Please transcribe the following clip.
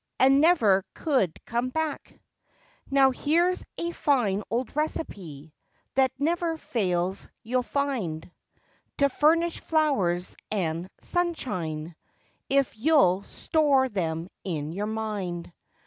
And never could come back? Now here's a fine old recipe That never fails, you'll find, To furnish "flowers and sunshine"—. If you'll "store" them in your mind.